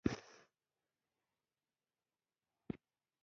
د کرنسۍ رالوېدنه تل د تشویش خبره نه ده.